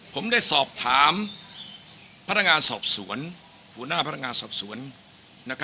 ผมได้สอบถามผู้หน้าพลังงานสอบสวน